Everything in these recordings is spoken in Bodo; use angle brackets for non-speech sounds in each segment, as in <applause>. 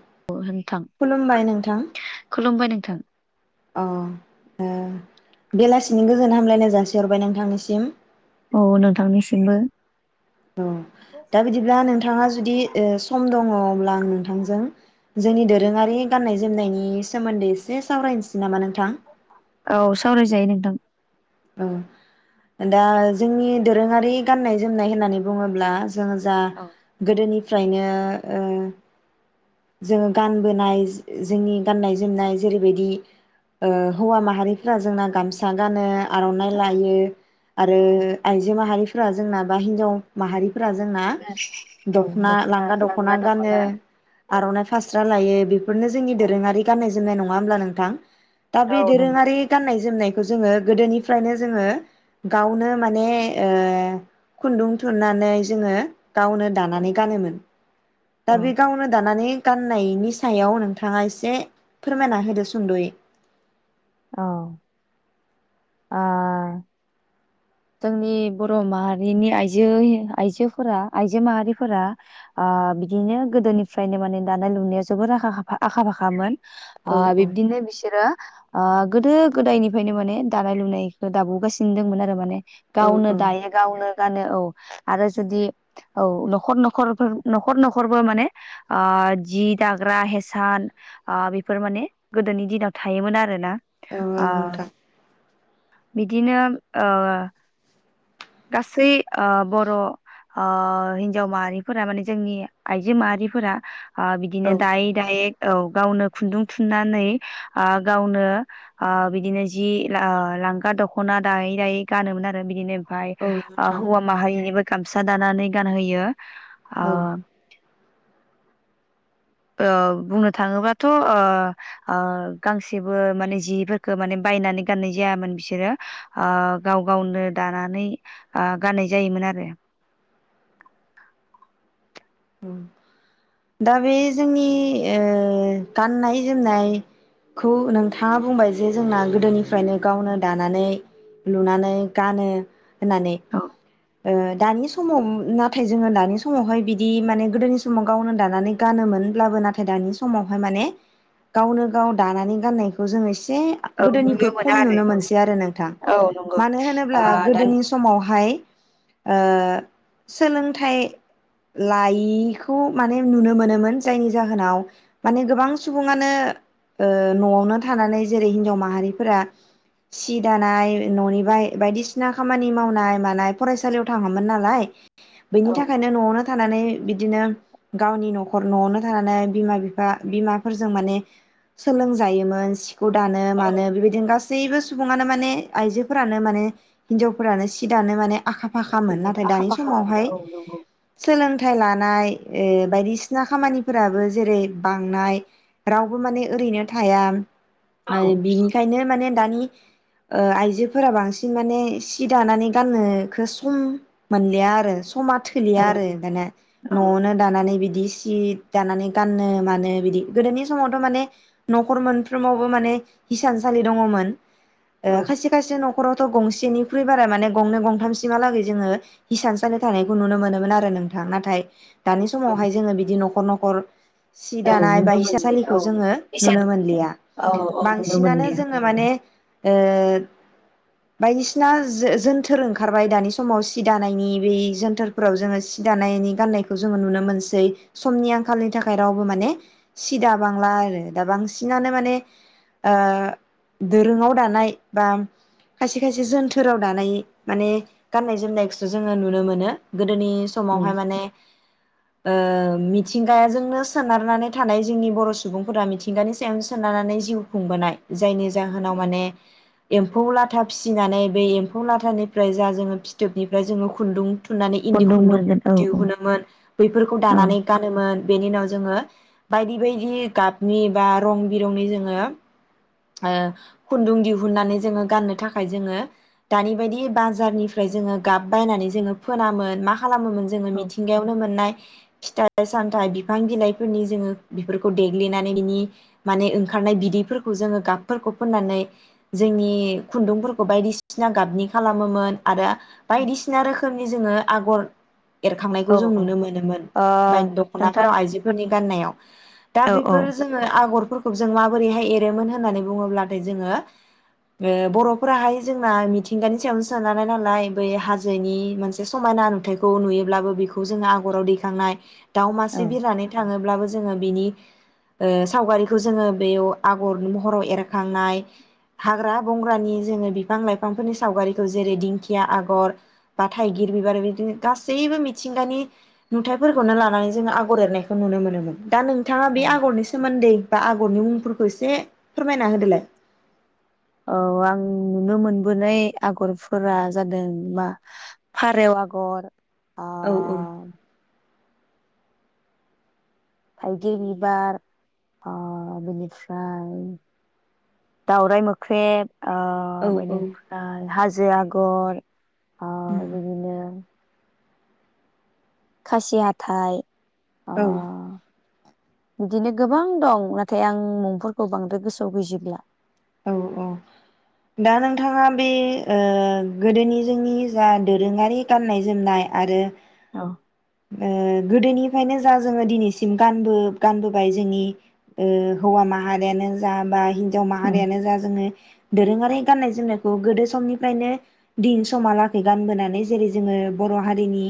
<unintelligible> खुलुमबाय नोंथां खुलुमबाय नोंथां। अ ओ बेलासिनि गोजोन हामलायनाय जासिहरबाय नोंथांनिसिम औ नोंथांनिसिमबो औ दा बिदिब्ला नोंथाङा जुदि ओ सम दङ अब्ला आं नोंथांजों जोंनि दोरोङारि गान्नाय जोमनायनि सोमोन्दै एसे सावरायनोसै नामा नोंथां औ सावरायजायो नोंथां औ दा जोंनि दोरोङारि गाननाय जोमनाय होननानै बुङोब्ला जोङो जा औ गोदोनि फ्रायनो ओ जोङो गानबोनाय जो -जोंनि गाननाय जोमनाय जेरैबायदि ओ हौवा माहारिफोरा जोंना गामसा गानो आर'ननाइ औ लायो आरो औ आइजो माहारि फो फोरा जोंनाबा हिनजाव माहारि फोरा जोंना दखना लांगा दखना गानो औ आर'ननाय फास्रा लायो बेफ बेफोनो जोंनि औ दोरोङारि गाननाय जो जोमनाय नङा होमब्ला नोंथां दा औ बे नंगौ दोरोङारि गाननाय जोमनाय जोङो गोदोनि फ्रायनो जोङो गावनो माने ओ खुन्दुं थुननानै जोङो गावनो दानानै गानोमोन दा औ बे गावनो दानानै गाननायनि सायाव नोंथाङा एसे फोरमायना होदो सुंद'यै औ ओ जोंनि बर माहारिनि आइजो आइजोफोरा आइजो माहारिफोरा ओ बिदिनो गोदोनिफ्रायनो माने दानाय लुनाया जोबोर आखा खाफा आखा फाखामोन ओ औ बिब्दिनो बिसोरो ओ गोदो गोदायनिफ्रायनो माने दानाय लुनायखौ दाबोगासिनो दंमोन आरो माने औ गावनो औ दायो गावनो जानो औ आरो जुदि औ नखर नखरफोर नखर नखरबो माने ओ जि दाग्रा हेसान बेफोर ओ माने गोदोनि दिनाव थायोमोन आरोना औ ओ नोंथां बिदिनो ओ गासै ओ बर' ओ हिनजाव माहारिफोरा माने जोंनि आइजो माहारिफोरा ओ औ बिदिनो दायै दायै औ गावनो खुन्दुं थुननानै ओ गावनो ओ बिदिनो ज जि ओ लांगा दखना दायै दायै गानोमोन आरो बिदिनो ओमफाय औ ओ नोंथां हौवा माहारिनिबो गामसा दानानै गानहोयो ओ औ ओ बुंनो थाङोबाथ' ओ- ओ गांसेबो माने जिफोरखो माने बायनानै गाननाय जायामोन बिसोरो ओ गाव गावनो दानानै ओ गाननाय जायोमोन आरो औ दा बे जोंनि ओ गाननाय जोमनायखौ नोंथाङा बुंबाय जे जोंना गोदोनिफ्रायनो गावनो दानानै लुनानै गानो होननानै औ दानि समाव नाथाय जोङो ओ दानि समावहाय बिदि माने गोदोनि समाव गावनो दानानै गानोमोनब्लाबो नाथाय दानि समावहाय माने गावनो गाव दानानै गाननायखौ जोङो सि एसे औ गोदोनिख्रुइ नुनो खम मोना नुनो मोनसै आरो नोंथां औ औ नंगौ मानो होनोब्ला ओ दा गोदोनि समावहाय ओ सोलोंथाइ लायि खौ माने नुनो मोनोमोन जायनि जाहोनाव माने गोबां सुबुङानो ओ नआवनो थानानै जेरै हिनजाव माहारिफोरा सि दानाय ननि बाय बायदिसिना खामानि मावनाय मानाय फरायसालियाव थाङामोन नालाय औ बेनि थाखायनो न'आवनो थानानै बिदिनो गावनि नखर न आवनो थानानै बिमा बिफा बिमाफोरजों माने सोलोंजायोमोन सि खौ दानो मानो बेबायदिनो गासै सैबो सुबुङानो माने आइजोफोरानो माने हिनजावफोरानो सि दानो माने आखा फाखामोन औ नाथाय आखा दानि फाखा मोन समावहाय औ नंगौ सोलोंथाइ लानाय ए बायदिसिना खामानिफोराबो जेरै बांनाय रावबो माने ओरैनो थाया औ ओ बिनिखायनो माने दानि ओ आइजोफोरा बांसिन माने सि दानानै गाननोखो सम मोनलिया आरो समा थोलिया आरो दाना औ न आवनो नानै बिदि सि दानानै गाननो मानो बिदि गोदोनि समावथ' माने नखर मोनफ्रोमावबो माने हिसानसालि दङमोन। औ ओ खायसे खायसे न'ख न'खरावथ' गंसेनिख्रुइ बारा माने गंनै गंथाम सिम हा लागै जोङो हिसान सालि थानायखौ नुनो मोनो मोन आरो नोंथां। नाथाय दानि समावहाय जोङो बिदि नख खर नखर सि औ दानाय बा नुनो मोनलि हिसाराबसालिखौ औ जोङो इसान नुनो मोनलिया औ औ नुनो बांसिनानो मोनलिया जोङो माने ओ बायदिसिना जोजोनथोर ओंखारबाय दानि समाव सि दानायनि बे जोनथोरफोराव जोङो सि दानायनि गाननायख खौ जोङो नुनो मोनसै समनि आंखालनि थाखाय रावबो माने सि दाबांला आरो दा बांसिनानो माने ओ दोरोङाव दानाय बा खायसे खायसे जोनथोराव दानाय माने गान्नाय जोमनायखौसो जोङो नुनो मोनो गो दोनि उम समावहाय माने ओ मिथिंगाजोंनो सोनारनानै थानाय जोंनि बर सुबुंफोरा मिथिंगानि सायावनो सोनारनानै जिउ खुंबोनाय जायनि जाहोनाव औ माने एम्फौ लाथा फिसिनानै बे एम्फौ लाथानिफ्राय जा जोङो फिथोबनिफ्राय जोङो खुन्दुं थुन्नानै इन्दि खुन्दुं मोनगोन औ औ दिहुनोमोन बैफोरखौ औ दानानै गानोमोन बेनि उनाव जोङो। बायदि बायदि गाबनि बा रं बिरंनि जोङो ओ खुन्दुं दिहुननानै जोङो गाननो थाखाय जोङो दानि बायदि बाजारनिफ्राय जोङो गाब बायनानै जोङो फोनामोन मा खालामोमोन जोङो औ मिथिंगायावनो मोननाय फिथाइ सामथाय बिफां बिलाइफोरनि जोङो बेफोरखौ देग्लिनानै बिनि माने ओंखारनाय बिदैफोरखो खौ जोङो गाबफोरखौ फोननानै जोंनि खुन्दुंफोरखौ बायदिसिना गाबनि खालामोमोन आरो बायदिसिना रोखोम खोमनि जोङो आगर एरखांनायखौ औ जों औ ओ नुनो मोनोमोन बाय नोंथां दखनाफोराव आइजोफोरनि गाननायाव दा औ औ बेफोर जोङो आगर <unintelligible> जों माबोरैहाय एद होननानै बुङोब्लाथाय जोङो ओक्षबर'फोराहाय जोंना मिथिंगानि सायावनो सोनारनाय नालाय बै हाजोनि मोनसे समायना नुथायखौ नुयोब्लाबो बेखौ जोङो आगराव दैखांनाय दाव औ मासि बिरनानै थाङोब्लाबो जोङो बिनि ओ सावगारिखौ जोङो बेयाव आगर महराव एरखांनाय हाग्रा बंग्रानि जोङो बिफां लाइफांफोरनि सावगारिखौ जेरै दिंखिया आगर बा थाइगिर बिबार बिदिनो गासैबो मिथिंगानि नुथाइफोरखौनो लानानै जोङो आगर एरनायखौ नुनो मोनोमोन दा नोंथाङा बे औ आगरनि सोमोन्दै दा आगरनि मुंफोर एसे फोरमायना होदोलाय औ आं नुनो मोनबोनाय आगरफोरा जादों मा फारेव आगर ओ औ औ थायगिर बिबार आ-बेनिफ्राय दावराइ मोख्रेब आ औ बेनिफ्राइ हाजो बे आगर आ बिदिनो खासिहाथाय औ बिदिनो गोबां दं नाथाय आं मुं'फोरखौ बांद्राय गोसोआव गैजोबब्ला औ औ दा नोंथाङा बे ओ-गोदोनि जोंनि जा दोरोङारि गाननाय जोमनाय आरो औ ओ-गोदोनिफ्रायनो जा जोङो दिनैसिम गानबो गानबोबाय जोंनि हौवा माहारियानो जा बा आव औ माहारियानो जा जोङो दोरोङारि गाननाय जोमनायखौ गोदो समनिफ्रायनो दिन समालागै गानबोनानै जेरै जोङो बर' हारिनि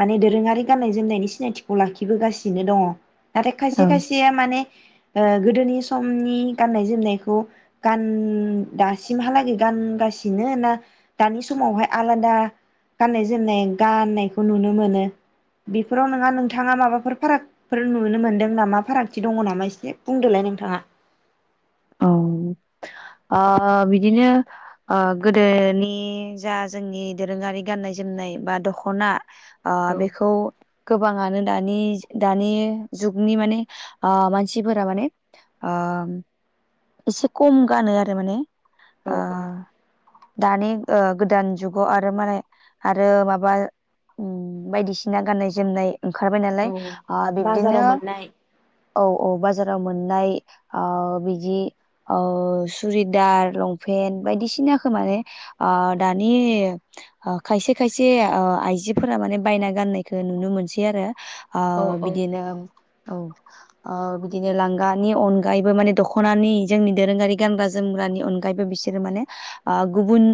माने दो दोरोङारि गाननाय जोमनायनि सिनायथिखौ लाखिबोगासिनो दङ नाथाय खायसे खायसेया माने अ गोदोनि समनि गाननाय जोमनायखौ गान दासिमहालागै गानगासिनो ना दानि समावहाय आलादा गाननाय जोमनाय गाननायखौ नुनो मोनो बेफोराव नोंङा नोंथाङा माबाफोर फारागफोर नुनो मोनदों नामा फारागथि दङ नामा एसे बुंदोलाय नोंथाङा औ ओ बिदिनो ओ गोदोनि जा जोंनि दोरोङारि गाननाय जोमनाय बा दख'ना अ औ बेखौ गोबाङानो दानि दानि जुगनि माने अ-मानसिफोरा माने अ- एसे खम गानो आरो माने औ आ औ दानि गोदान जुगाव आरो मालाय आरो माबा उम बायदिसिना गाननाय जोमनाय ओंखारबाय नालाय औ आ-बिब्दिनो बाजाराव मोननाय औ औ बाजाराव मोननाय आ-बि दि अ-सुरिदार लंपेन्ट बायदिसिनाखौ माने आ- दानि अ-खायसे खायसे अ-आइजोफोरा माने बायना गाननायखौ नुनो मोनसै आरो। आ औ औ बिदिनो औ अ-बिदिनो लांगानि अनगायैबो माने दख' दख'नानि जोंनि दोरोङारि गानग्रा जोमग्रानि अनगायैबो बिसोरो माने अ-गुबुन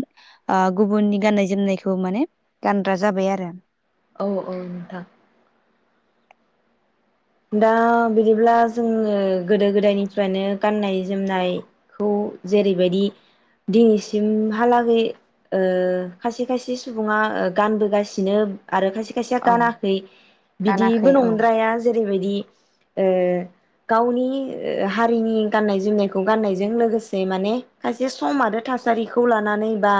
अ-गुबुननि गाननाय जोमनायखौ माने गानग्रा जाबाय आरो। औ औ नोंथां दा बिदिब्ला जोङो गोदो गोदायनिफ्रायनो गाननाय जोमनाय खौ जेरैबायदि दिनैसिमहालागै ओ-खायसे खायसे सुबुङा ओ-गानबोगासिनो आरो खायसे खायसेया औ गानाखै बिदिबो गानाखै औ नंद्राया जेरैबायदि ओ गावनि हारिनि गाननाय जोमनायखौ गाननायजों लोगोसे माने खायसे सम आरो थासारिखौ लानानै बा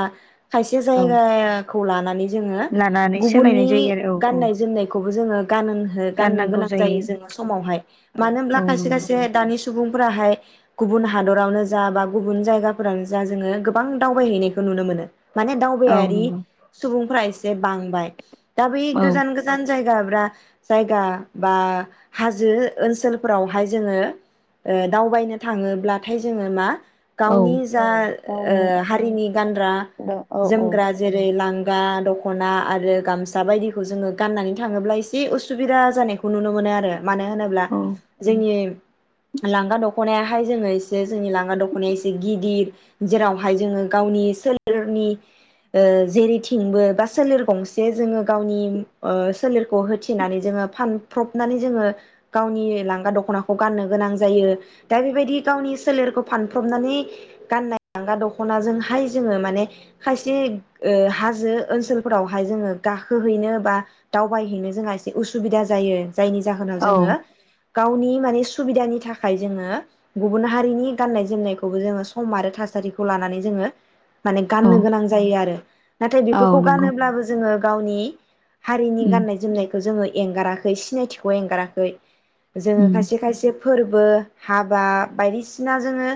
खायसे औ जायगाखौ लानानै जोङो लानानै सोलायनाय गुबुननि जायो आरो औ औ गाननाय जोमनायखौ जोङो गान हो गाननो गोनां जायो जोङो समावहाय औ मानो होनब्ला औ खायसे नंगौ खायसे दानि सु सुबुंफोराहाय गुबुन हादरावनो जा बा गुबुन जायगाफोरावनो जा जोङो गोबां दावबायहैनायखौ नुनो मोनो माने औ दावबायारि नंगौ सुबुं फोरा एसे बांबाय दा बे औ गोजान गोजान जाय जायफ्रा जायगा बा हाजो ओनसोलफोरावहाय जोङो ओ दावबायनो थाङोब्लाथाय जोङो मा औ गावनि जा अओ गावनि हारिनि गानग्रा दा औ औ जोमग्रा जेरै लां लांगा दखना आरो गामसा बायदिखौ जोङो गाननानै थाङोब्ला एसे उसुबिदा जानायखौ खौ नुनो मोनो आरो मानो होनोब्ला औ जोंनि लां दं दख'नायाहाय जोङो एसे जोंनि लांगा दखनाया एसे गिदिर जेरावहाय जोङो गावनि सोलेरनि अ जेरैथिंबो बा सोलेर गंसे जोङो गावनि ओ सोलेरखौ होथिनानै जोङो फान फ्रबनानै जोङो गावनि लांगा दखनाखौ गाननो गोनां जायो दा बेबायदि गावनि सोलेरखौ फानफ्रबनानै गाननाय लांगा दखनाजोंहाय जोङो माने खायसे ओ हाजो ओनसोलफोरावहाय जोङो गाखोहैनो बा दावबायहैनो जोंहा एसे उसुबिदा जायो। जायनि जाहोनाव जोङो औ गावनि माने सुबिदानि थाखाय जोङो गुबुन हारिनि गाननाय जोमनायखौबो जोङो सम आरो थासारिखौ लानानै जोङो माने औ गाननो गोनां जायो आरो नाथाय औ बेफोरखौ नंगौ गानोब्लाबो जोङो गावनि हारिनि उम गाननाय जोमनायखौ जोङो एंगारा सिनायथिखौ एंगाराखै जोङो उम खायसे खायसे फोरबो हाबा बायदिसिना जोङो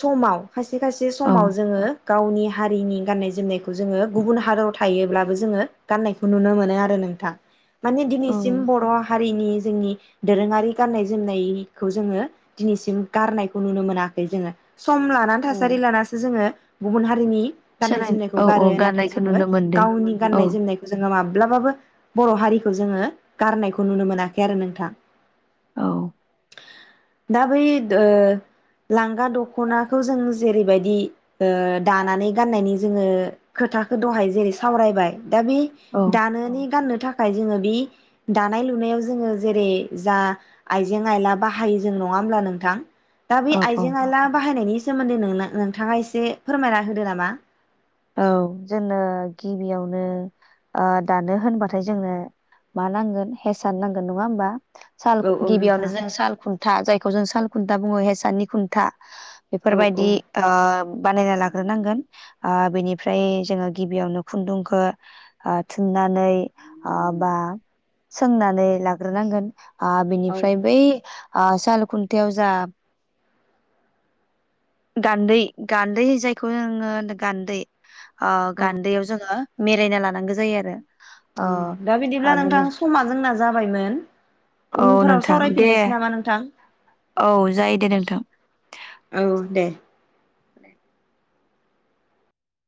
समा खायसे खायसे औ समाव जोङो गावनि हारिनि गाननाय जोमनायखौ जोङो गुबुन हादराव थायोब्लाबो जोङो गाननायखौ नुनो मोनो आरो नोंथां माने औ सिम बर' हारिनि जोंनि दोरोङारि गाननाय जोमनायखौ जोङो दिनैसिम गारनायखौ नुनो मोनाखै जोङो सम लानानै थासारि औ लानासो जोङो गुबुन हारिनि गाननाय सोलाय जोमनायखौ औ गारो औ नाथाय गाननायखौ जोङो नुनो मोनदों गावनि औ गाननाय जोमनायखौ जोङो माब्लाबाबो बर हारि खौ जोङो गारनायखौ नुनो मोनाखै आरो नोंथां औ दा बै दो लांगा दखनाखौ जों जेरैबायदि ओ दानानै गाननायनि जोङो खोथाखौ दहाय जेरै सावरायबाय दा बे औ दानोनि गाननो थाखाय जोङो बि दानाय लुनायाव जोङो जेरै जा आइजें आइला बाहायो जों नङा होमब्ला नोंथां दा बे औ औ आइजें आइला बाहायनायनि सोमोन्दै नोंना नोंथाङा एसे फोरमायना होदो नामा औ जोंनो गिबियावनो ओ दानो होनबाथाय जोंनो मा नांगोन हेसान नांगोन नङा होमबा साल औ औ गिबियावनो नोंथाङा जों साल खुन्था जायखौ जों साल खुन्था बुङो हेसाननि खुन्था औ औ बेफोरबायदि ओ बानायना लाग्रोनांगोन ओ बेनिफ्राय जोङो गिबियावनो खुन्दुंखो ओ थुननानै ओ बा सोंनानै लाग्रोनांगोन आ औ बिनिफ्राय बै ओह सालखुन्थायाव जा गान्दै गान्दै जायखौ जोङो होनदो गान्दै ओ गान्दैयाव जोङो मेरायना लानांगो जायो आरो अ ओम दा हा बिदिब्ला बिनि नोंथां समा जोंना जाबायमोन औ उनफोराव नोंथां दे सावरायफिननोसै नामा नोंथां। औ जायो दे नोंथां औ दे दे